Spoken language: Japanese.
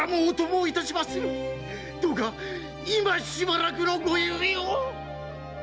どうか今しばらくのご猶予を‼